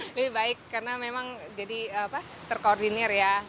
lebih baik karena memang jadi terkoordinir ya